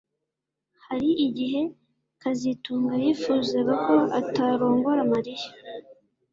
Hari igihe kazitunga yifuzaga ko atarongora Mariya